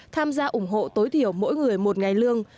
tham gia ủng hộ tối thiểu mỗi người một ngày lương